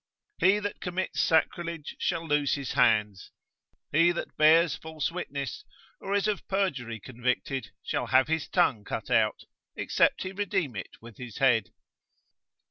He that commits sacrilege shall lose his hands; he that bears false witness, or is of perjury convicted, shall have his tongue cut out, except he redeem it with his head.